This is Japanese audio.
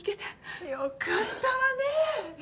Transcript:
良かったわね。